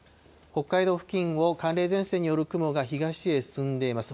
北海道付近を寒冷前線による雲が東へ進んでいます。